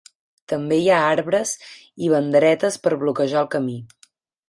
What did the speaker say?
També hi ha arbres i banderetes per bloquejar el camí.